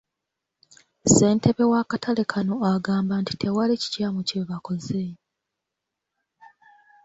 Ssentebe w’akatale kano agamba nti tewali kikyamu kye bakoze.